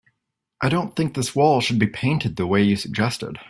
I don't think this wall should be painted the way you suggested.